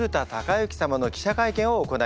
様の記者会見を行います。